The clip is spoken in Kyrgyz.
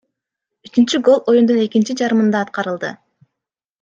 Үчүнчү гол оюндун экинчи жарымында аткарылды.